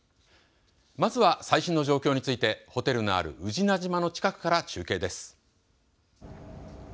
まずは最新の状況についてホテルのある宇品島の近くから中継です。